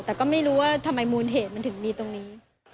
แต่ก็ไม่รู้ว่าทำไมมูลเหตุมันถึงมีตรงนี้